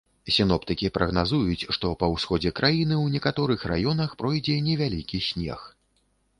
Сіноптыкі прагназуюць, што па ўсходзе краіны ў некаторых раёнах пройдзе невялікі снег.